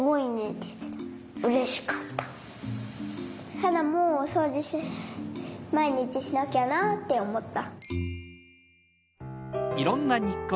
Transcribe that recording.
さなもおそうじまいにちしなきゃなっておもった。